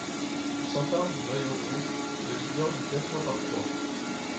Il s'empare du maillot rouge de leader du classement par points.